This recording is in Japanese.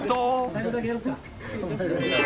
最後だけやろうか。